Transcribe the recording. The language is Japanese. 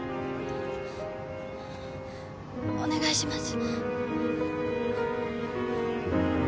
お願いします。